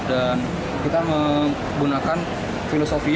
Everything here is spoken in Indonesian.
dan kita menggunakan filosofi